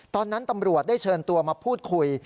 ตอนนั้นตำรวจได้เชิญตัวมาพูดคุย